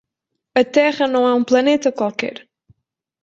A Terra não é um planeta qualquer!